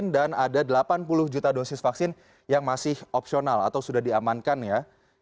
ada delapan puluh juta dosis vaksin yang masih opsional atau sudah diamankan ya